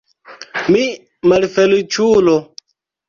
Mi malfeliĉulo!